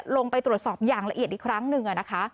ลงไปตรวจสอบอย่างละเอียดอีกครั้งหนึ่งนะคะ